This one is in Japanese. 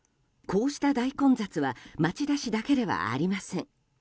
こうした大混雑は町田市だけではありません。